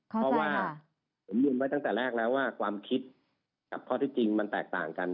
เพราะว่าผมลืมไว้ตั้งแต่แรกแล้วว่าความคิดกับข้อที่จริงมันแตกต่างกัน